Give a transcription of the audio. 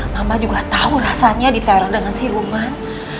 mama juga tahu rasanya diteror dengan siluman